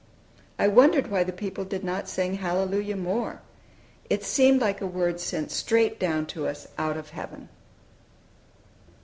I wondered why the people did not sing "Hallelujah" more. It seemed like a word sent straight down to us out of heaven.